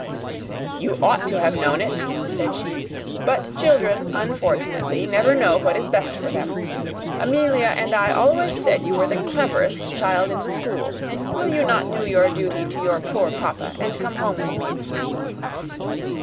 "You ought to have known it," said she; "but children, unfortunately, never know what is best for them. Amelia and I always said you were the cleverest child in the school. Will you not do your duty to your poor papa and come home with me?"